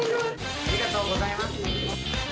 ・ありがとうございます